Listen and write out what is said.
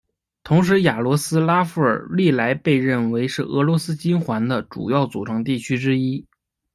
同时雅罗斯拉夫尔历来被认为是俄罗斯金环的主要组成地区之一。